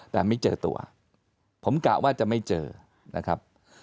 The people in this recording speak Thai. แต่ไม่เจอตัวผมกะว่าจะไม่เจอนะครับ